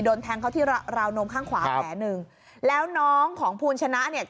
โดนแทงเขาที่ราวนมข้างขวาแผลหนึ่งแล้วน้องของภูลชนะเนี่ย